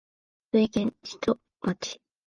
鳥取県智頭町